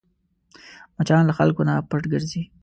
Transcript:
مچان له خلکو نه پټ ګرځي